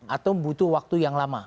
atau butuh waktu yang lama